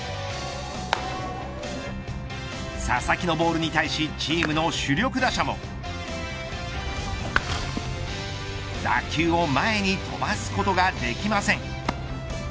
佐々木のボールに対しチームの主力打者も打球を前に飛ばすことができません。